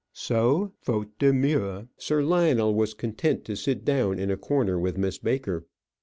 So, faute de mieux, Sir Lionel was content to sit down in a corner with Miss Baker.